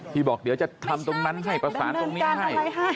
บอกเดี๋ยวจะทำตรงนั้นให้ประสานตรงนี้ให้